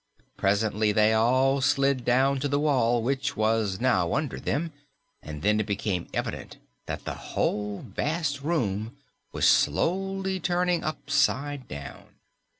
Presently they all slid down to the wall, which was now under them, and then it became evident that the whole vast room was slowly turning upside down!